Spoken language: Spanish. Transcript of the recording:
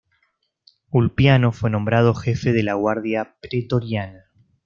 Ulpiano fue nombrado jefe de la Guardia pretoriana.